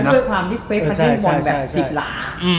และด้วยความที่เป๊บมันเล่นบอลแบบ๑๐ล้าน